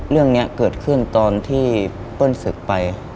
เรื่องนี้เกิดขึ้นตอนที่เปิ้ลศึกไป